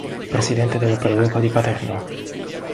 Presidente della Pro Loco di Paternò.